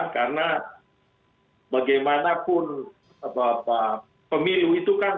karena bagaimanapun pemilu itu kan